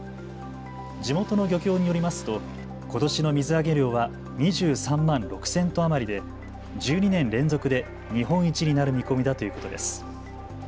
地元の漁協によりますとことしの水揚げ量は２３万６０００トン余りで１２年連続で日本一になる見込みだということです。